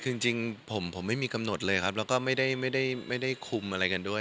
คือจริงผมไม่มีกำหนดเลยครับแล้วก็ไม่ได้คุมอะไรกันด้วย